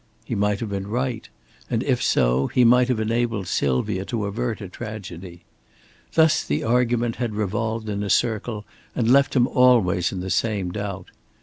He might have been right; and if so, he might have enabled Sylvia to avert a tragedy. Thus the argument had revolved in a circle and left him always in the same doubt.